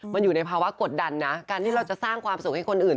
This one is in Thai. มันอยู่ในภาวะกดดันนะการที่เราจะสร้างความสุขให้คนอื่น